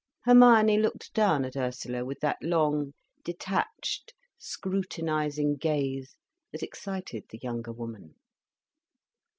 Hermione looked down at Ursula with that long, detached scrutinising gaze that excited the younger woman.